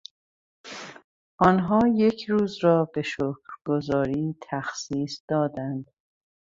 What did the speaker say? آنها یک روز را به شکرگزاری تخصیص دادند.